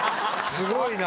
すごいな！